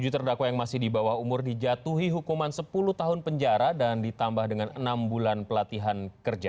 tujuh terdakwa yang masih di bawah umur dijatuhi hukuman sepuluh tahun penjara dan ditambah dengan enam bulan pelatihan kerja